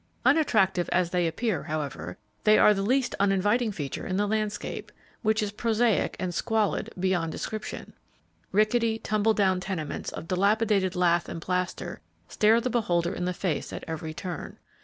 Unattractive as they appear, however, they are the least uninviting feature in the landscape, which is prosaic and squalid beyond description. Rickety, tumble down tenements of dilapidated lath and plaster stare the beholder in the face at every turn.